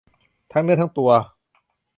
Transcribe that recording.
ทั้งเนื้อทั้งตัว